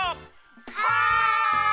はい！